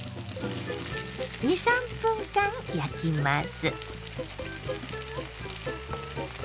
２３分間焼きます。